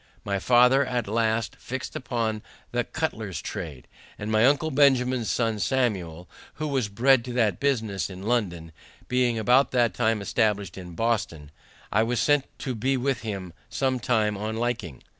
My father at last fixed upon the cutler's trade, and my uncle Benjamin's son Samuel, who was bred to that business in London, being about that time established in Boston, I was sent to be with him some time on liking.